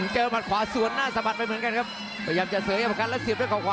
หมัดขวาสวนหน้าสะบัดไปเหมือนกันครับพยายามจะเสริมให้ประกันแล้วเสียบด้วยเขาขวา